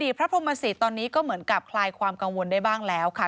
พระพรหมศิษย์ตอนนี้ก็เหมือนกับคลายความกังวลได้บ้างแล้วค่ะ